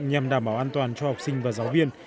nhằm đảm bảo an toàn cho học sinh và giáo viên